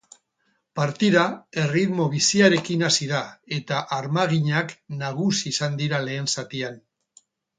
Partida erritmo biziarekin hasi da, eta armaginak nagusi izan dira lehen zatian.